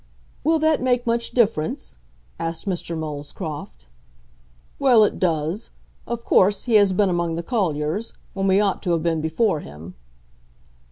"Will that make much difference?" asked Mr. Molescroft. "Well, it does. Of course, he has been among the colliers, when we ought to have been before him."